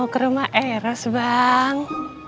mau ke rumah eros bang